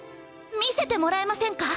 見せてもらえませんか？